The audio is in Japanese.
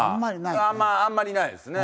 あんまりないよね。